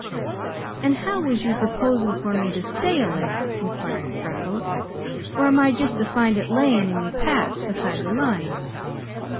"And how was you proposing for me to stale it?" inquired Freckles. "Or am I just to find it laying in me path beside the line?"